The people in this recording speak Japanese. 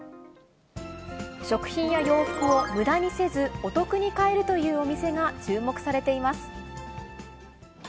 食品や洋服をむだにせず、お得に買えるというお店が注目されています。